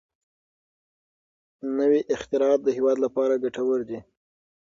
نوي اختراعات د هېواد لپاره ګټور دي.